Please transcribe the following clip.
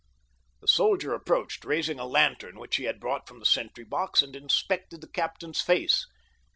The soldier approached, raising a lantern, which he had brought from the sentry box, and inspected the captain's face.